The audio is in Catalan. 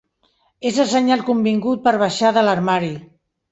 És el senyal convingut per baixar de l'armari.